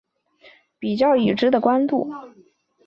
比较已知的光度。